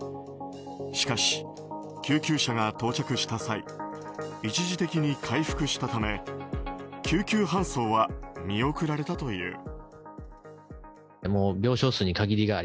しかし、救急車が到着した際一時的に回復したため救急搬送は見送られたという。